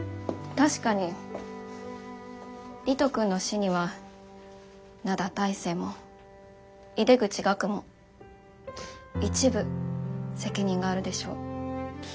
確かに理人くんの死には灘大聖も井出口岳も一部責任があるでしょう。